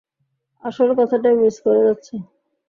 আসল কথাটাই মিস করে যাচ্ছ!